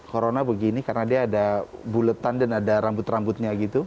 corona begini karena dia ada buletan dan ada rambut rambutnya gitu